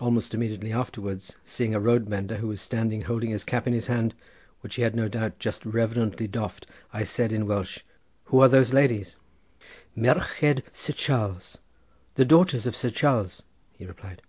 Almost immediately afterwards seeing a road mender who was standing holding his cap in his hand—which he had no doubt just reverentially doffed—I said in Welsh: "Who are those ladies?" "Merched Sir Charles—the daughters of Sir Charles," he replied.